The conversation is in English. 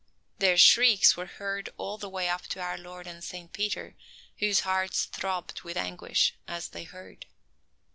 Their shrieks were heard all the way up to our Lord and Saint Peter, whose hearts throbbed with anguish as they heard.